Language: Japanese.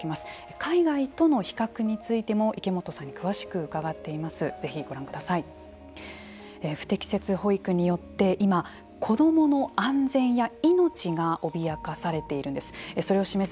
海外との比較についても池本さんに詳しく伺っています。